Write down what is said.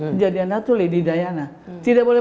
kejadian natu lady diana tidak boleh